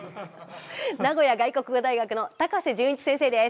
名古屋外国語大学の高瀬淳一先生です。